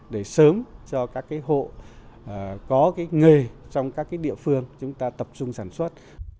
để sớm cho các hộ có cái nghề trong các địa phương chúng ta tập trung sản xuất